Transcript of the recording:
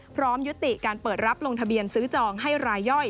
พร้อมยุติการเปิดรับลงทะเบียนซื้อจองให้รายย่อย